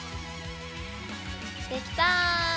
できた！